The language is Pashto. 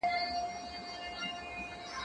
زه به اوږده موده موټر کار کړی وم؟